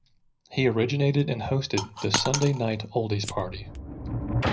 He originated and hosted "The Sunday Night Oldies Party".